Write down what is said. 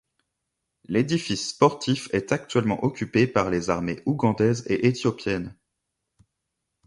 L'édifice sportif est actuellement occupé par les armées ougandaise et éthiopienne.